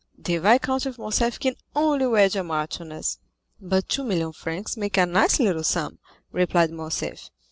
The Viscount of Morcerf can only wed a marchioness." "But two million francs make a nice little sum," replied Morcerf.